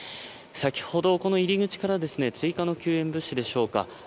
先ほど、この入り口から追加の救援物資でしょうか。